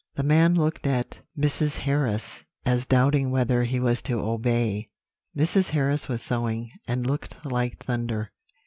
"The man looked at Mrs. Harris, as doubting whether he was to obey. Mrs. Harris was sewing, and looked like thunder.